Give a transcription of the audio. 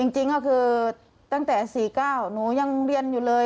จริงก็คือตั้งแต่๔๙หนูยังเรียนอยู่เลย